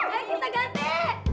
eh kita ganti